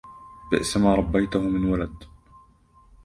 بئسما ربيته من ولد